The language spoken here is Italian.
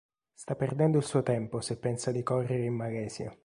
Sta perdendo il suo tempo se pensa di correre in Malesia".